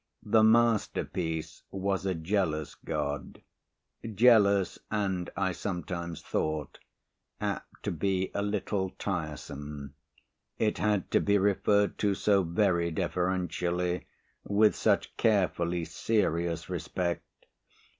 The masterpiece was a jealous god. Jealous and, I sometimes thought, apt to be a little tiresome. It had to be referred to so very deferentially, with such carefully serious respect.